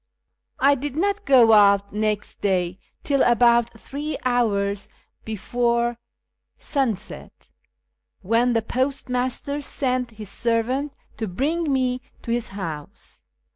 I did not go out next day till about three hours before FROM YEZD TO KIRMAN 427 sunset, when the postmaster sent his servant to bring me to his house.